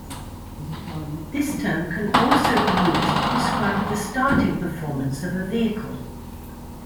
This term can also be used to describe the starting performance of a vehicle.